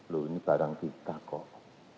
loh ini barang kita kok